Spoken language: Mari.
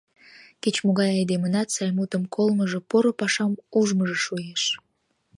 Кеч-могай айдемынат сай мутым колмыжо, поро пашам ужмыжо шуэш...